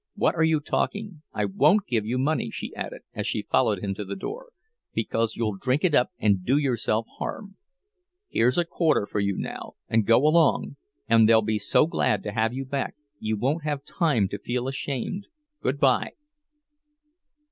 "What are you talking?—I won't give you money," she added, as she followed him to the door, "because you'll drink it up, and do yourself harm. Here's a quarter for you now, and go along, and they'll be so glad to have you back, you won't have time to feel ashamed. Good by!"